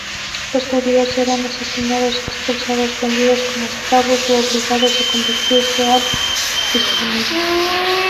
Los judíos eran asesinados, expulsados, vendidos como esclavos u obligados a convertirse al cristianismo.